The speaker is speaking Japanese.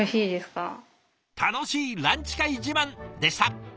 楽しいランチ会自慢でした！